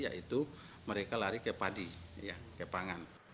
yaitu mereka lari ke padi ke pangan